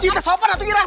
gitu sopan itu ira